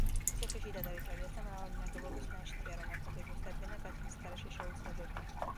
ციხის შიდა ტერიტორიაზე მრავალი ნაგებობის ნაშთია, რომელთა გეგმის დადგენა გათხრის გარეშე შეუძლებელია.